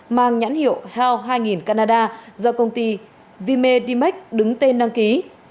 mang nhãn hiệu health hai nghìn canada do công ty vimedimac đứng tên đăng ký